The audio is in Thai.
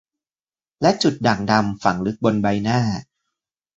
และจุดด่างดำฝังลึกบนใบหน้า